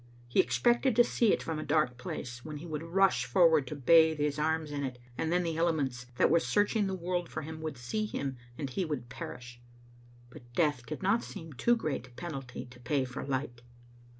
He expected to see it from a dark place, when he would rush forward to bathe his arms in it, and then the elements that were searching the world for him would see him and he would perish. But death did not seem too great a penalty to pay for light.